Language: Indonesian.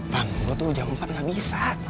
tahan gue tuh jam empat gak bisa